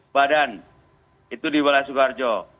badan itu di wilayah sukoharjo